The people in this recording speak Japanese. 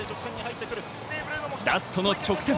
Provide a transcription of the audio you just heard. ラストの直線。